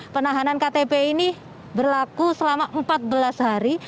penahanan ktp ini berlaku selama empat belas hari